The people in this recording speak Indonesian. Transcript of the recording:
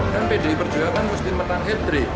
saya kader toh